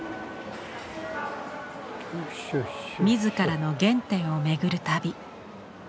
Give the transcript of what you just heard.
自らの原点を巡る旅。